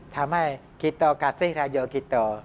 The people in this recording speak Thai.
ทำให้กิตตอกัสซิราโยกิตตอ